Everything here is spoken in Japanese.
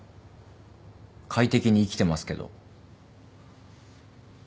快適に生きてますけど。